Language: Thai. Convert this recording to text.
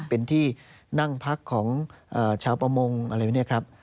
เป็นที่นั่งพักของชาวประมงอะไรแบบนี้ครับ